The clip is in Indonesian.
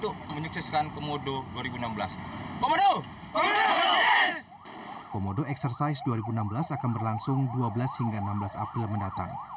komodo eksersis dua ribu enam belas akan berlangsung dua belas hingga enam belas april mendatang